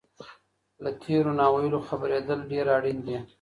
له تېرو ناويلو خبرېدل ډېر اړین دي.